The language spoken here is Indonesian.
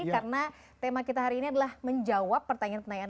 karena tema kita hari ini adalah menjawab pertanyaan pertanyaan